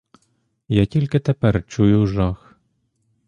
Я тільки тепер чую жах.